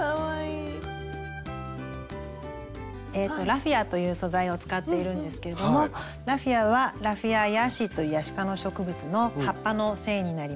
ラフィアという素材を使っているんですけれどもラフィアは「ラフィアヤシ」というヤシ科の植物の葉っぱの繊維になります。